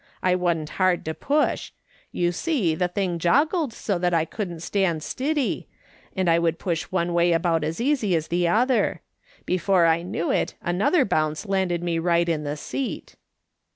I wa'n't hard to push ; you see, the thing joggled so that I couldn't stand stiddy, and I would push one way about as easy as the other ; before 1 knew it another bounce landed me right in the seat.